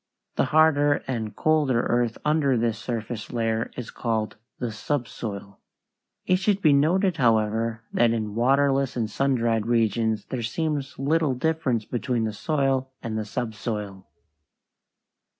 The harder and colder earth under this surface layer is called the subsoil. It should be noted, however, that in waterless and sun dried regions there seems little difference between the soil and the subsoil.